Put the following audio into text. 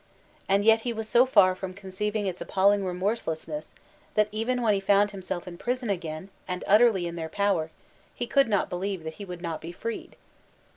And yet he was so far from conceiving its ap palling remorselessness, that even when he found himself in prison again, and utterly in their power, he could not believe that he would not be freed.